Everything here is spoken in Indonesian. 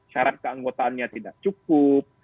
syarat keanggotaannya tidak cukup